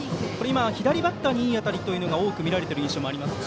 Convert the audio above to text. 左バッターにいい当たりが多く見られている印象がありますが。